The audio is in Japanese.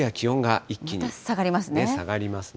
また下がりますね。